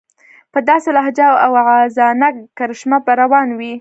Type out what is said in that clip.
په داسې لهجه او واعظانه کرشمه به روان وي.